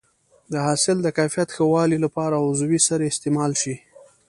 د حاصل د کیفیت ښه والي لپاره عضوي سرې استعمال شي.